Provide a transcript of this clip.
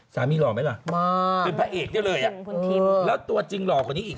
หล่อไหมล่ะเป็นพระเอกได้เลยอ่ะแล้วตัวจริงหล่อกว่านี้อีก